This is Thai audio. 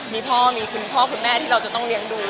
มีพ่อมีคุณพ่อคุณแม่ที่เราจะต้องเลี้ยงดู